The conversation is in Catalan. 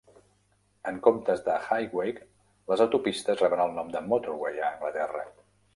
En comptes de "highway", les autopistes reben el nom de "motorway" a Anglaterra.